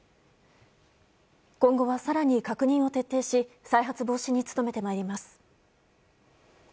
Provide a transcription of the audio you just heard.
今後は更に確認を徹底し再発防止に努めて参ります。